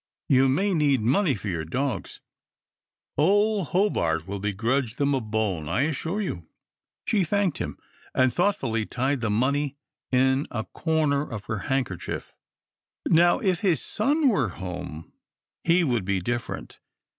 You may need money for your dogs. Old Hobart will begrudge them a bone, I assure you." She thanked him, and thoughtfully tied the money in a corner of her handkerchief. "Now if his son were home, he would be different.